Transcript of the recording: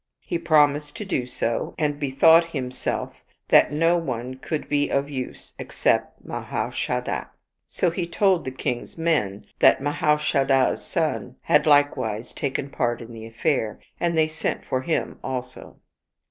He promised to do so, and bethought himself that no one could be of use except Mahaushadha. So he told the king's men that Mahaushadha's son had likewise taken part in the affair, and they sent for him also.